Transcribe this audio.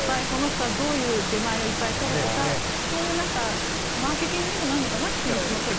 この人はどういう出前をいっぱい取るとかそういう、マーケティングにもなるのかなという。